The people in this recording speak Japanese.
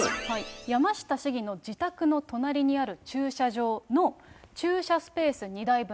山下市議の自宅の隣にある駐車場の駐車スペース２台分。